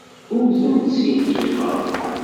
Ur tent-ssilqiqeɣ.